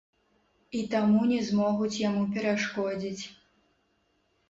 І таму не змогуць яму перашкодзіць.